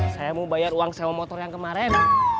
saya mau bayar uang sewa motor yang kemarin